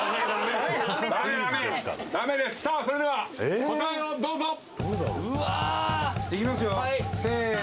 それでは答えをどうぞ！